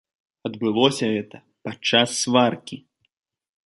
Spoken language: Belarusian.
Адбылося гэта падчас сваркі.